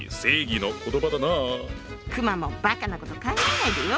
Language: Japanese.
熊もばかなこと考えないでよ！